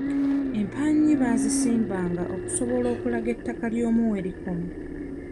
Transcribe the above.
Empaanyi baazisimbanga okusobola okulaga ettaka ly'omu we likoma.